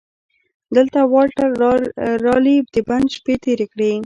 دلته والټر رالي د بند شپې تېرې کړې.